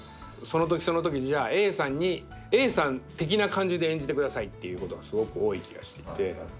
そのときそのときにＡさん的な感じで演じてくださいっていうことがすごく多い気がしていて。